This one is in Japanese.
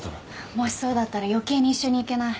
もしそうだったら余計に一緒に行けない。